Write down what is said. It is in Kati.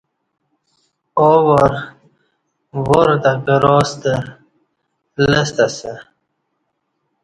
آو وار وار تہ کراستہ لستہ اسہ